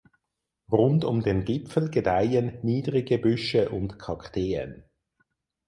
Rund um den Gipfel gedeihen niedrige Büsche und Kakteen.